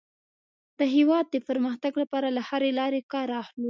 د هېواد د پرمختګ لپاره له هرې لارې کار اخلو.